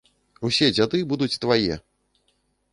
Усе дзяды будуць твае!